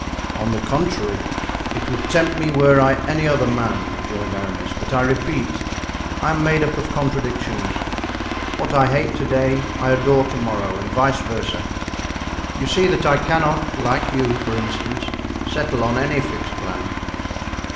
"On the contrary, it would tempt me were I any other man," rejoined Aramis; "but I repeat, I am made up of contradictions. What I hate to day I adore to morrow, and vice versa. You see that I cannot, like you, for instance, settle on any fixed plan."